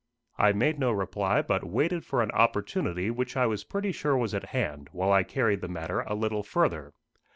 I made no reply, but waited for an opportunity which I was pretty sure was at hand, while I carried the matter a little further.